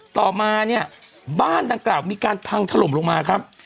ต่อมาเนี่ยบ้านดังกล่าวมีการพังถล่มลงมาครับ